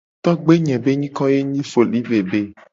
Togbe nye be nyiko ye nyi foli-bebe.